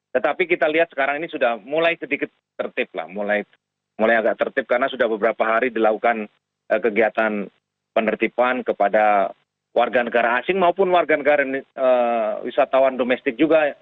tetapi kita lihat sekarang ini sudah mulai sedikit tertib lah mulai agak tertib karena sudah beberapa hari dilakukan kegiatan penertiban kepada warga negara asing maupun warga negara wisatawan domestik juga